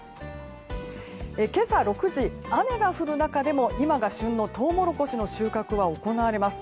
今朝６時、雨が降る中でも今が旬のトウモロコシの収穫は行われます。